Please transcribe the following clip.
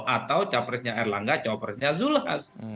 atau capresnya erlangga capresnya zulhas